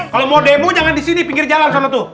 kalau mau demo jangan di sini pinggir jalan sana tuh